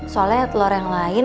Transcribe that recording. soalnya telur yang lain